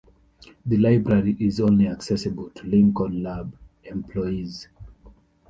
The library is only accessible to Lincoln Lab employees.